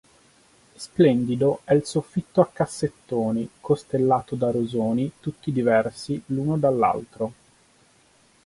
Splendido è il soffitto a cassettoni costellato da rosoni tutti diversi l'uno dall'altro.